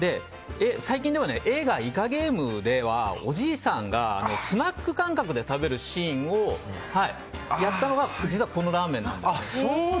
最近では映画「イカゲーム」ではおじいさんがスナック感覚で食べるシーンをやったのが実はこのラーメンなんです。